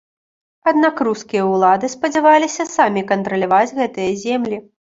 Аднак рускія ўлады спадзяваліся самі кантраляваць гэтыя землі.